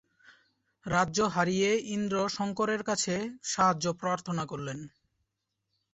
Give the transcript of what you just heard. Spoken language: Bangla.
রাজ্য হারিয়ে ইন্দ্র শঙ্করের কাছে সাহায্য প্রার্থনা করলেন।